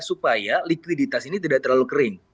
supaya likuiditas ini tidak terlalu kering